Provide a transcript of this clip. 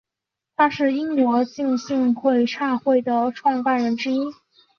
他是英国浸信会差会的创办人之一。